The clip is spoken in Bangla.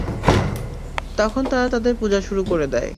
তখন তারা তাদের পূজা শুরু করে দেয়।